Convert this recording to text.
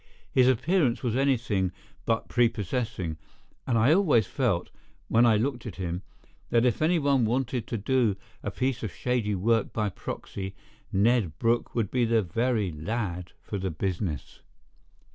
His appearance was anything but prepossessing, and I always felt, when I looked at him, that if anyone wanted to do a piece of shady work by proxy, Ned Brooke would be the very lad for the business.